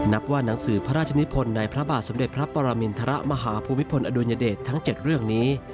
นับว่าหนังสือพระราชนิพลในพระบาทสมเด็จพระปรมินทรมาหาภูมิพลอดุญเดชทั้ง๗เรื่องนี้